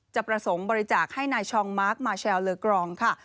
จะประสงค์บริจักษ์ให้นายชองมาร์คมาร์ชัลเลอร์กรองค์ค่ะ